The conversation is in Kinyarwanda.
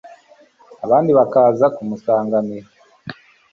kandi bakaza kumusanganira